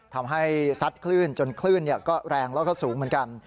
ซัดคลื่นจนคลื่นก็แรงแล้วก็สูงเหมือนกัน